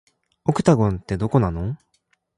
オクタゴンって、どこなの